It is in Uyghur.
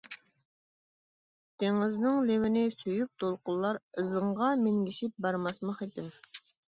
دېڭىزنىڭ لېۋىنى سۆيۈپ دولقۇنلار، ئىزىڭغا مىنگىشىپ بارماسمۇ خېتىم.